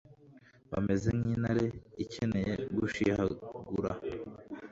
bameze nk'intare ikereye gushihagura